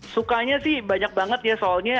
sukanya sih banyak banget ya soalnya